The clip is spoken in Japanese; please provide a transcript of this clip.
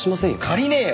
借りねえよ！